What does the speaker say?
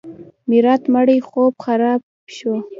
میرات مړی خوب خراب شو.